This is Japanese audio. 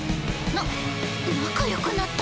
な仲よくなった？